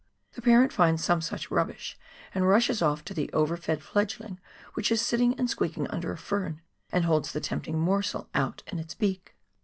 The parent finds some such rubbish and rushes off to the over fed fledgling which is sitting and squeaking under a fern, and holds the tempting morsel out in its beak.